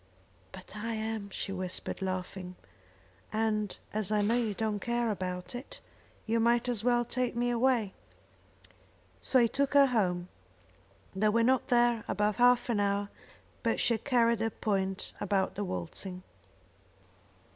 "But I am," she whispered, laughing, "and as I know you don't care about it, you might as well take me away." So he took her home. They were not there above half an hour, but she had carried her point about the waltzing.